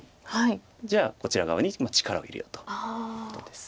じゃあこちら側に力を入れようということです。